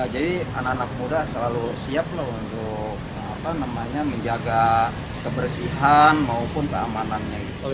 jadi anak anak muda selalu siap loh untuk menjaga kebersihan maupun keamanannya